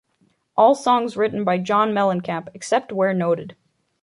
All songs written by John Mellencamp, except where noted.